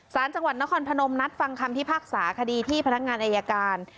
สารจังหวัดนครพนมนัดฟังคำพิพากษาคดีที่พนักงานอายการ